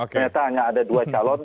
ternyata hanya ada dua calon